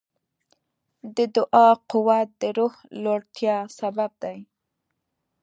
د دعا قوت د روح لوړتیا سبب دی.